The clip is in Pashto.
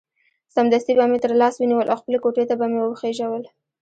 سمدستي به مې تر لاس ونیول او خپلې کوټې ته به مې وخېژول.